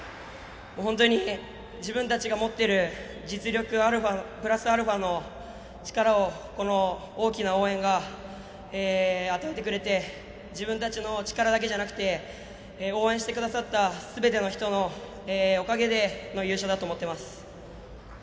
本当に自分たちが持ってる実力プラスアルファの力をこの大きな応援が与えてくれて自分たちの力だけじゃなくて応援してくださったすべての人のおかげでの優勝だと思っています。